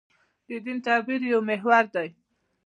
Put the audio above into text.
د دین تعبیر یو محور دی.